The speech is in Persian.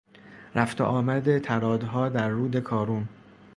رفت و آمد طرادها در رود کارون